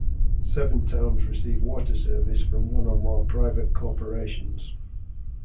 Seven towns receive water service from one or more private corporations.